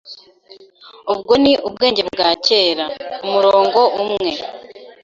Ubwo ni ubwenge bwa kera, Umurongo umwe